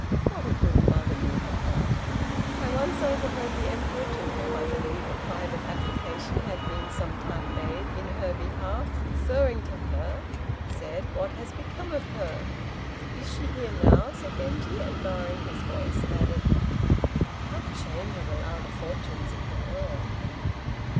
"What a good mother you have got. I once overheard the Emperor, to whom, I believe, a private application had been some time made in her behalf, referring to her, said, 'What has become of her?' Is she here now?" said Genji; and lowering his voice, added, "How changeable are the fortunes of the world!"